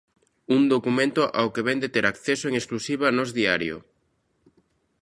Un documento ao que vén de ter acceso en exclusiva Nós Diario.